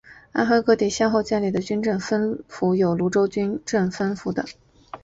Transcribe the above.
安徽各地先后建立的军政分府有庐州军政分府等。